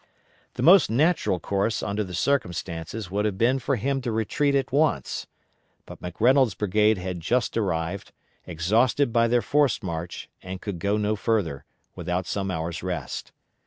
The most natural course under the circumstances would have been for him to retreat at once, but McReynolds' brigade had just arrived, exhausted by their forced march, and could go no further, without some hours' rest.